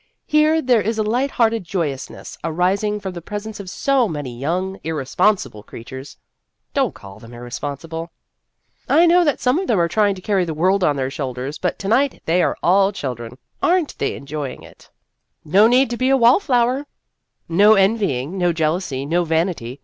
Here there is a light hearted joyousness, arising from the presence of so many young, irresponsible creatures " Don't call them irresponsible." " I know that some of them are trying to carry the world on their shoulders, but to night they are all children. Are n't they enjoying it!" 84 Vassar Studies " No one need be a wall flower." " No envying, no jealousy, no vanity.